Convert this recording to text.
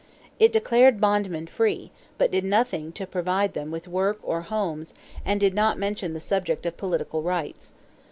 It declared bondmen free, but did nothing to provide them with work or homes and did not mention the subject of political rights.